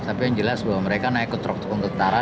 tapi yang jelas bahwa mereka naik ke truk mentara